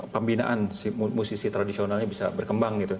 pembinaan musisi tradisionalnya bisa berkembang